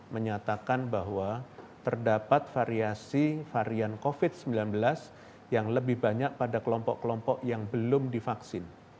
menyatakan bahwa terdapat variasi varian covid sembilan belas yang lebih banyak pada kelompok kelompok yang belum divaksin